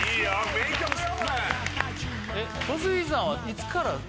名曲よ